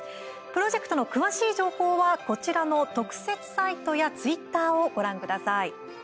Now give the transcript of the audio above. プロジェクトの詳しい情報はこちらの特設サイトやツイッターをご覧ください。